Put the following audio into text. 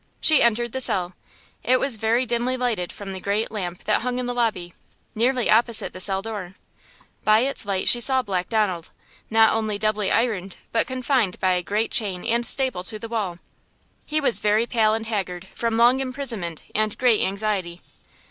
She entered the cell. It was very dimly lighted from the great lamp that hung in the lobby, nearly opposite the cell door. By its light she saw Black Donald, not only doubly ironed but confined by a chain and staple to the wall. He was very pale and haggard from long imprisonment and great anxiety.